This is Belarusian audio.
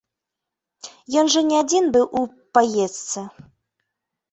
Ён жа не адзін быў у паездцы.